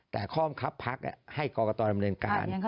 แต่ข้อมคับภักดิ์ให้กรกตรมาเรียนการ